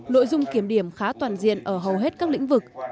nội dung kiểm điểm khá toàn diện ở hầu hết các lĩnh vực